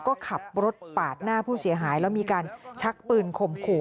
ก็ขับรถปาดหน้าผู้เสียหายแล้วมีการชักปืนข่มขู่